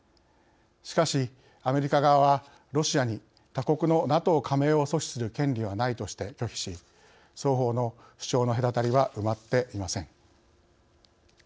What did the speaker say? しかし、アメリカ側はロシアに他国のＮＡＴＯ加盟を阻止する権利はないとして拒否し双方の主張の隔たりは埋まっていません。